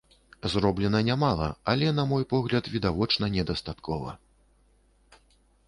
Зроблена нямала, але, на мой погляд, відавочна недастаткова.